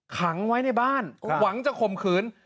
ขังไว้ในบ้านหวังจะข่มขืน